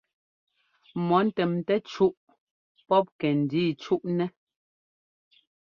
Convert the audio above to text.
Mɔ ntɛmtɛ́ cúʼ pɔp kɛ́ndíi cúʼnɛ́.